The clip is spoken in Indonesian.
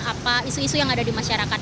apa isu isu yang ada di masyarakat